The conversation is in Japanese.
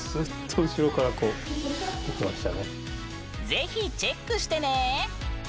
ぜひチェックしてね。